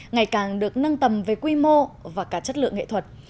ngày càng được nâng tầm về quy mô và cả chất lượng nghệ thuật